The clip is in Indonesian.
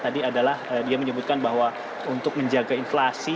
tadi adalah dia menyebutkan bahwa untuk menjaga inflasi